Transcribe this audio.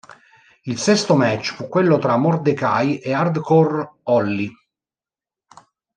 Il sesto match fu quello tra Mordecai e Hardcore Holly.